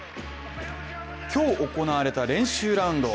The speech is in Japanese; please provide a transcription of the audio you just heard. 今日行われた練習ラウンド。